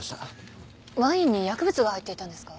ワインに薬物が入っていたんですか？